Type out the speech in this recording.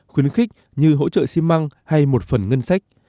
khuyến khích như hỗ trợ xi măng hay một phần ngân sách